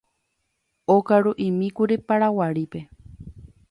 Okaruʼimíkuri Paraguarípe.